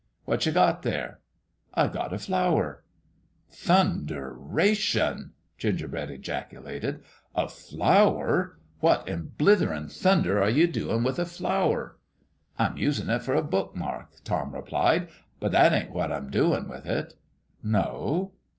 " What you got there ?"" I got a flower." " Thunderation !" Gingerbread ejaculated. 76 In LOVE WHH A FLOWER " A flower ! What in blitherin' thunder are you doin' with a flower ?" "Tin usin' it for a book mark," Tom replied ; "but that ain't what I'm doin' with it." "No?"